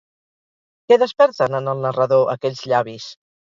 Què desperten en el narrador, aquells llavis?